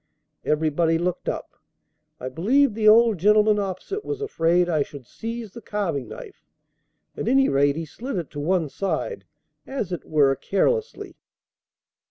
Everybody looked up. I believe the old gentleman opposite was afraid I should seize the carving knife; at any rate, he slid it to one side, as it were carelessly.